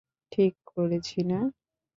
ঠিক করেছি না?